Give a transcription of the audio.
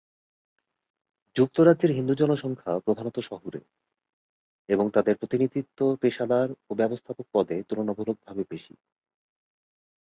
যুক্তরাজ্যের হিন্দু জনসংখ্যা প্রধানত শহুরে, এবং তাদের প্রতিনিধিত্ব পেশাদার ও ব্যবস্থাপক পদে তুলনামূলকভাবে বেশি।